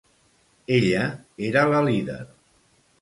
Ella era la líder.